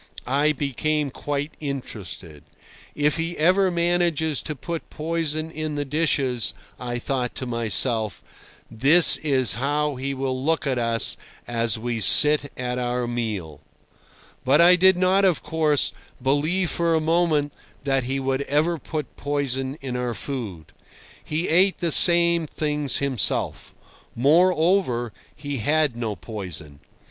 I became quite interested. If he ever manages to put poison in the dishes, I thought to myself, this is how he will look at us as we sit at our meal. But I did not, of course, believe for a moment that he would ever put poison in our food. He ate the same things himself. Moreover, he had no poison.